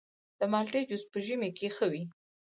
د مالټې جوس په ژمي کې ښه وي.